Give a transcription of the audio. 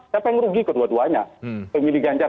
siapa yang rugi keduanya pemilih ganjar